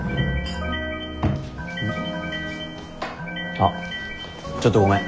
あっちょっとごめん。